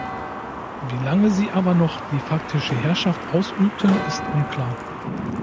Wie lange sie aber noch die faktische Herrschaft ausübten ist unklar.